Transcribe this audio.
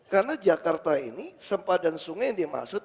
karena jakarta ini sempadan sungai yang dimaksud